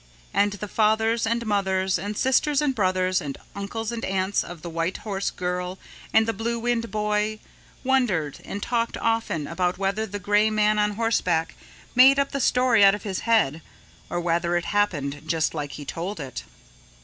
And the fathers and mothers and sisters and brothers and uncles and aunts of the White Horse Girl and the Blue Wind Boy wondered and talked often about whether the Gray Man on Horseback made up the story out of his head or whether it happened just like he told it.